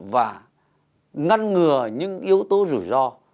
và ngăn ngừa những yếu tố rủi ro